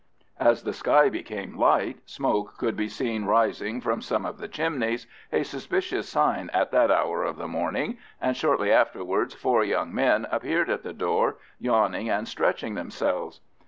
As the sky became light, smoke could be seen rising from some of the chimneys, a suspicious sign at that hour of the morning, and shortly afterwards four young men appeared at the door, yawning and stretching themselves.